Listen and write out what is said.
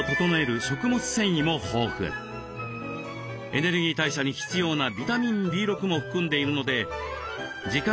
エネルギー代謝に必要なビタミンＢ６も含んでいるので時間